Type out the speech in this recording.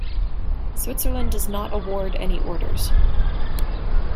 Switzerland does not award any orders.